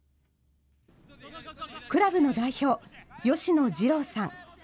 クラブの代表、吉野次郎さん。